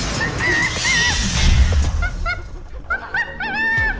semoga ada pandangan pemburu